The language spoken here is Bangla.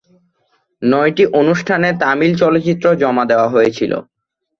নয়টি অনুষ্ঠানে তামিল চলচ্চিত্র জমা দেওয়া হয়েছিল।